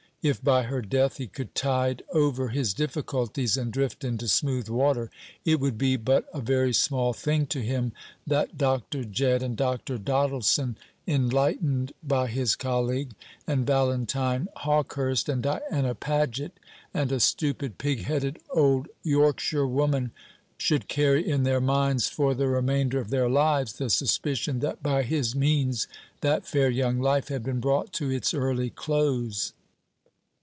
If by her death he could tide over his difficulties and drift into smooth water, it would be but a very small thing to him that Dr. Jedd, and Dr. Doddleson enlightened by his colleague, and Valentine Hawkehurst, and Diana Paget, and a stupid pig headed old Yorkshirewoman, should carry in their minds for the remainder of their lives the suspicion that by his means that fair young life had been brought to its early close.